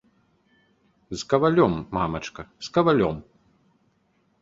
З кавалём, мамачка, з кавалём.